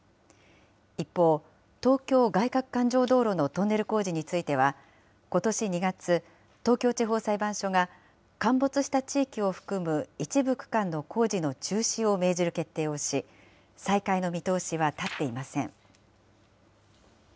一方、東京外かく環状道路のトンネル工事については、ことし２月、東京地方裁判所が、陥没した地域を含む一部区間の工事の中止を命じる決定をし、再開の見通しは立っていません。